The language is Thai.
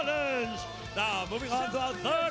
ตอนนี้มวยกู้ที่๓ของรายการ